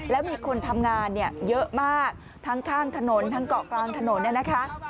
แล้วมีคนทำงานเนี่ยเยอะมากทั้งข้างถนนทั้งเกาะกลางถนนเนี่ยนะคะ